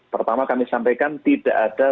pertama kami sampaikan tidak ada